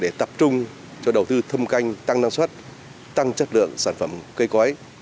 để tập trung cho đầu tư thâm canh tăng năng suất tăng chất lượng sản phẩm cây cõi